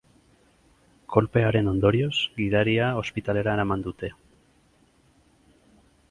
Kolpearen ondorioz, gidaria ospitalera eraman dute.